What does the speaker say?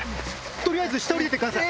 取りあえず下に下りてください。